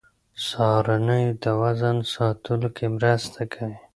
سهارنۍ د وزن ساتلو کې مرسته کوي.